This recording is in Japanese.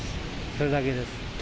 それだけです。